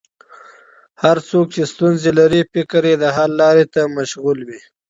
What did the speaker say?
هر څوک چې ستونزه لري، فکر یې د حل لارې ته مشغول وي.